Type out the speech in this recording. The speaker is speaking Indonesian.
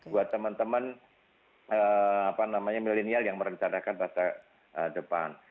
buat teman teman milenial yang merencanakan masa depan